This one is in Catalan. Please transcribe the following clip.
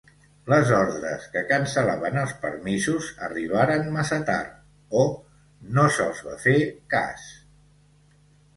Les ordres que cancel·laven els permisos arribaren massa tard o no se’ls va fer cas.